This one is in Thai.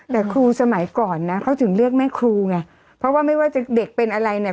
แต่ครูสมัยก่อนนะเขาถึงเรียกแม่ครูไงเพราะว่าไม่ว่าจะเด็กเป็นอะไรเนี่ย